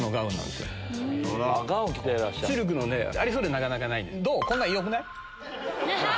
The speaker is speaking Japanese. シルクのありそうでなかなかない。